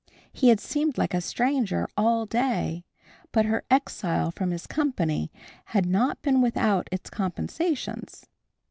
He had seemed like a stranger all day. But her exile from his company had not been without its compensations.